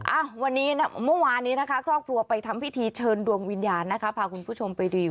อ่ะวันนี้เมื่อวานนี้นะคะครอบครัวไปทำพิธีเชิญดวงวิญญาณนะคะพาคุณผู้ชมไปดู